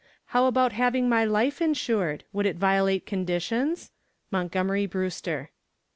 How about having my life insured? Would it violate conditions? MONTGOMERY BREWSTER.